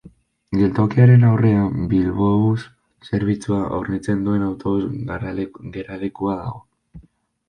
Geltokiaren aurrean Bilbobus zerbitzua hornitzen duen autobus geralekua dago.